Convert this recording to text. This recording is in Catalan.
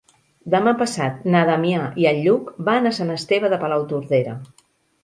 Demà passat na Damià i en Lluc van a Sant Esteve de Palautordera.